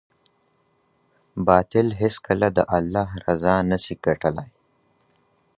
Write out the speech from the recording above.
باطل هیڅکله د الله رضا نه سي ګټلای.